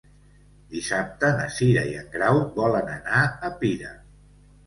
Dissabte na Cira i en Grau volen anar a Pira.